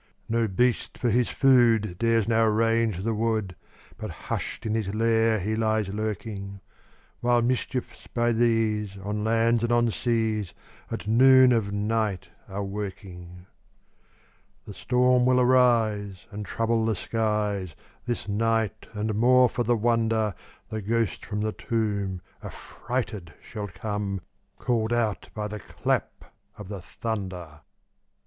No beast, for his food, Dares now range the wood, But hush'd in his lair he lies lurking; While mischiefs, by these, On land and on seas, At noon of night are a working. The storm will arise, And trouble the skies This night; and, more for the wonder, The ghost from the tomb Affrighted shall come, Call'd out by the clap of the thunder.